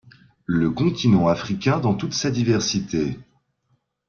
Le continent africain dans toute sa diversité.